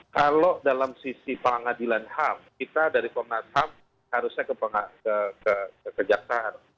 kalau dalam sisi pengadilan ham kita dari komnas ham harusnya ke kejaksaan